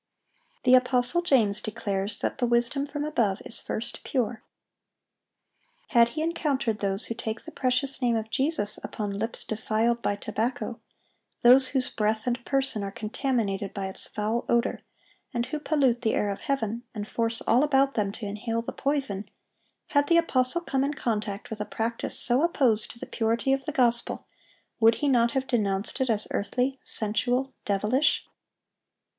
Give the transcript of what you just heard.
The apostle James declares that the wisdom from above is "first pure." Had he encountered those who take the precious name of Jesus upon lips defiled by tobacco, those whose breath and person are contaminated by its foul odor, and who pollute the air of heaven, and force all about them to inhale the poison,—had the apostle come in contact with a practice so opposed to the purity of the gospel, would he not have denounced it as "earthly, sensual, devilish"?